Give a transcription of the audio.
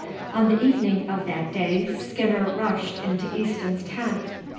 On the evening of that day Skinner rushed into Easton's tent.